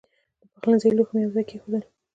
د پخلنځي لوښي مې یو ځای کېښودل.